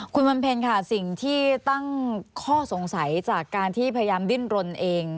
คุณวันเพ็ญค่ะสิ่งที่ตั้งข้อสงสัยจากการที่พยายามดิ้นรนเอง